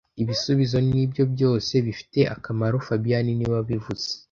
Ibisubizo nibyo byose bifite akamaro fabien niwe wabivuze